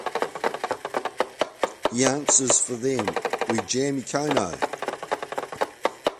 He answers for them: We jam econo.